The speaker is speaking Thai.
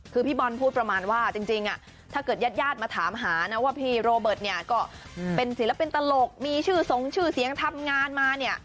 คือพี่บอลพูดประมาณว่าจริงถ้าเกิดญาติมาถามหานะว่าพี่โรเบิร์ตเนี่ยก็เป็นศิลปินตลกมีชื่อสงชื่อเสียงทำงานมาเนี่ย